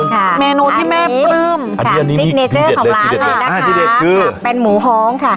ค่ะอันนี้กล้ามของร้านเลยนะคะเป็นหมูห้องค่ะ